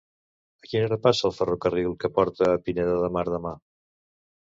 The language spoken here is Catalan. A quina hora passa el ferrocarril que porta a Pineda de Mar demà?